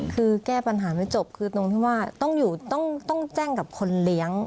คือแก้ปัญหาไม่จบคือตรงที่ว่าต้องอยู่ต้องแจ้งกับคนเลี้ยง